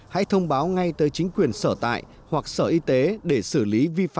hãy thông báo ngay tới chính quyền sở tại hoặc sở y tế để xử lý vi phạm